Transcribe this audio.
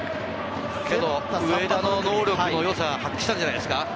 上田の能力の良さを発揮したんじゃないですか。